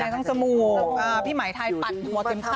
ใช่ต้องสมูกพี่หมายไทยปัดหัวเจ็บขาด